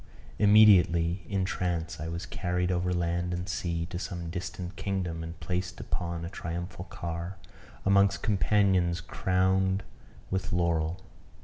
Immediately, in trance, I was carried over land and sea to some distant kingdom, and placed upon a triumphal car, amongst companions crowned with laurel.